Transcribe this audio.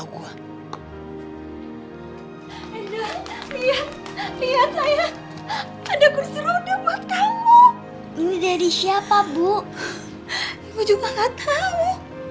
gua juga gak tau